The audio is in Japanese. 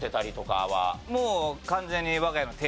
もう完全に。